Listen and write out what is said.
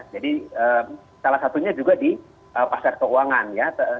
jadi salah satunya juga di pasar keuangan ya